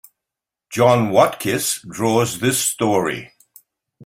John Watkiss draws this story.